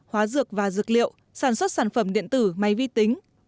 hóa dược và dược liệu sản xuất sản phẩm điện tử máy vi tính